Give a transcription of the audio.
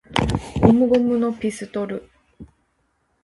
ゴムゴムのピストル!!!